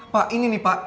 pak ini nih pak